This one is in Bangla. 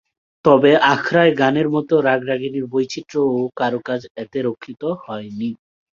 তবে আখড়াই গানের মতো রাগ-রাগিণীর বৈচিত্র্য ও কারুকাজ এতে রক্ষিত হয়নি।